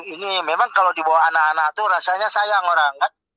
ini memang kalau dibawa anak anak tuh rasanya sayang orang kan